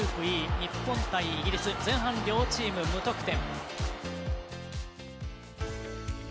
日本対イギリス前半、両チーム無得点。